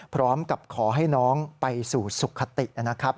พร้อมกับขอให้น้องไปสู่สุขตินะครับ